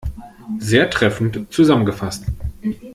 Sehr treffend zusammengefasst!